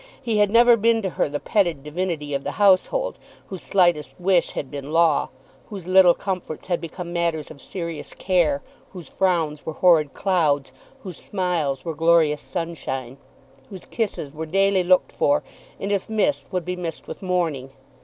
He had never been to her the petted divinity of the household, whose slightest wish had been law, whose little comforts had become matters of serious care, whose frowns were horrid clouds, whose smiles were glorious sunshine, whose kisses were daily looked for, and if missed would be missed with mourning.